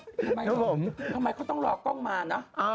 ทำไมต้องรอกกล้องมานะ